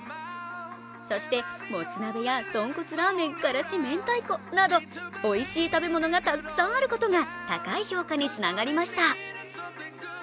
そして、もつ鍋や豚骨ラーメンからしめんたいこなどおいしい食べ物がたくさんあることが高い評価につながりました。